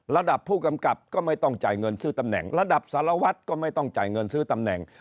ระดับผู้กำกับก็ไม่ต้องจ่ายเงินซื้อตำแหน่งระดับสารวัตรก็ไม่ต้องจ่ายเงินซื้อตำแหน่ง